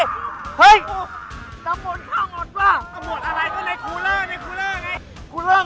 นามนต์ข้าวเหงาหวาน